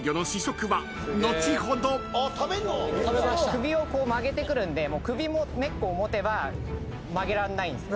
首を曲げてくるんで首根っこを持てば曲げらんないんです。